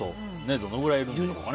どのくらいいるんでしょうか。